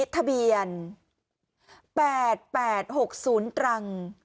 ทะเบียน๘๘๖๐ตรัง